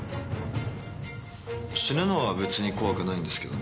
死ぬのは別に怖くないんですけどね